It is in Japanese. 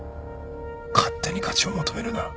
勝手に価値を求めるな。